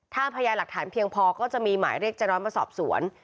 ถ้าพยานหลักฐานเพียงพอก็จะมีหมายเรียกเจ๊น้อยมาสอบสวน